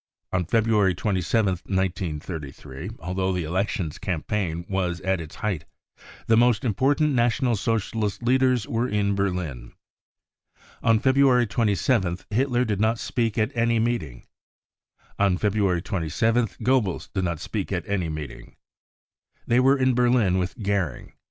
On February 27th, 1933, although the election campaign was at its height, the most important National Socialist leaders were in Berlin. On February 27th Hitler did not speak at, any meeting. On February 27 th Goebbels did not speak at any meeting. They were in Berlin with Goering.